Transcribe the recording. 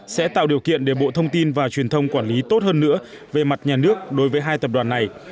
sẽ tạo điều kiện để bộ thông tin và truyền thông quản lý tốt hơn nữa về mặt nhà nước đối với hai tập đoàn này